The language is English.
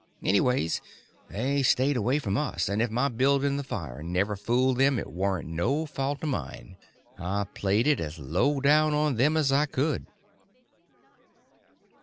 Anyways, they stayed away from us, and if my building the fire never fooled them it warn't no fault of mine. I played it as low down on them as I could.